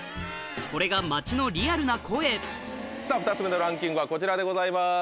これが街のリアルな声さぁ２つ目のランキングはこちらでございます。